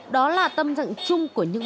đó là tâm trạng